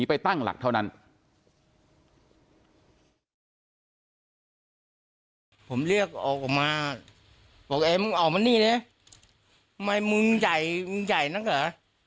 ผมเรียกออกมาบอกไอ้มึงออกมานี่เลยทำไมมึงใหญ่มึงใหญ่นักเหรอ